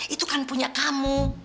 itu kan punya kamu